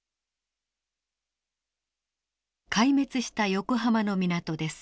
壊滅した横浜の港です。